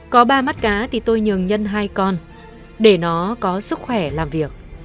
có ba mắt cá thì tôi nhường nhân hai con để nó có sức khỏe làm việc